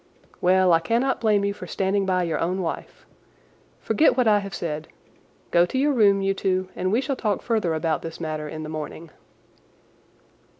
"Well, I cannot blame you for standing by your own wife. Forget what I have said. Go to your room, you two, and we shall talk further about this matter in the morning."